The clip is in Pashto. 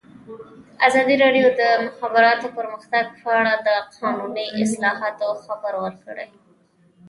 ازادي راډیو د د مخابراتو پرمختګ په اړه د قانوني اصلاحاتو خبر ورکړی.